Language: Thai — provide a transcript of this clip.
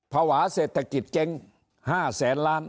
ภาวะเศรษฐกิจเจ๊ง๕แสนล้าน